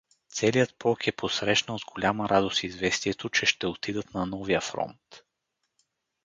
Целият полк е посрещнал с голяма радост известието, че ще отидат на новия фронт.